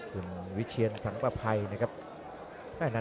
คุณวิเชียนสังเป็นเข้าใบค่ะ